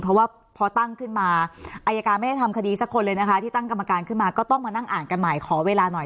เพราะว่าพอตั้งขึ้นมาอายการไม่ได้ทำคดีสักคนเลยนะคะที่ตั้งกรรมการขึ้นมาก็ต้องมานั่งอ่านกันใหม่ขอเวลาหน่อย